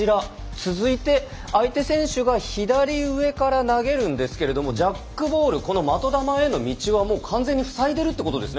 続いて相手選手が左上から投げるんですけどジャックボールこの的球への道は完全にふさいでるということですね。